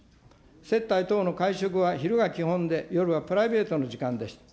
接待等の会食は昼が基本で、夜はプライベートの時間でした。